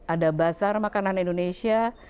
ada bazar makanan indonesia